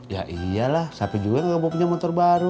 ya iyalah siapa juga gak mau punya motor baru